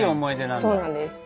そうなんです。